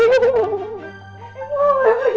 emang ga boleh pergi dari sini